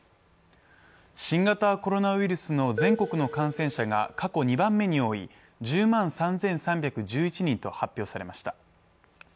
新型コロナウイルスの全国の感染者が過去２番目に多い１０万３３１１人と発表されました